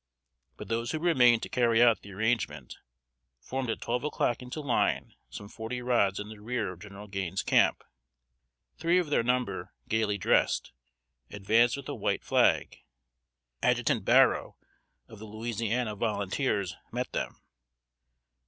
But those who remained to carry out the arrangement, formed at twelve o'clock into line, some forty rods in the rear of General Gaines's camp. Three of their number, gaily dressed, advanced with a white flag. Adjutant Barrow of the Louisiana Volunteers, met them.